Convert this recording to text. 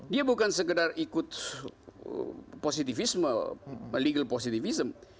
dia bukan sekedar ikut positifisme legal positivism